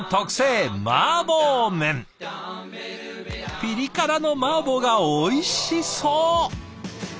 ピリ辛のマーボーがおいしそう！